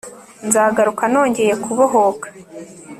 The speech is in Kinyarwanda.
Nzagaruka nongeye kubohoka